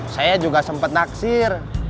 saya juga sempet naksir